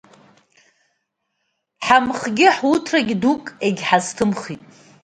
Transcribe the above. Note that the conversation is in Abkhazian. Ҳамхгьы ҳуҭрагьы дук егьҳазҭымхит.